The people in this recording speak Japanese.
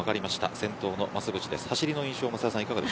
先頭の増渕です。